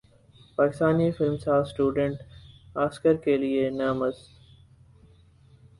پاکستانی فلم ساز student Oscar کے لیے نامزد